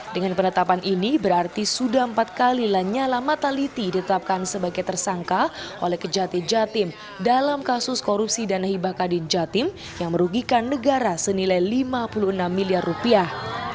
dengan penetapan ini berarti sudah empat kali lanyala mataliti ditetapkan sebagai tersangka oleh kejati jatim dalam kasus korupsi dana hibah kadin jatim yang merugikan negara senilai lima puluh enam miliar rupiah